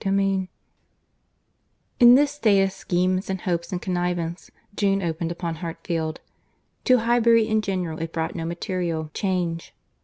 CHAPTER V In this state of schemes, and hopes, and connivance, June opened upon Hartfield. To Highbury in general it brought no material change.